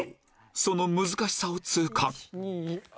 その難しさを痛感う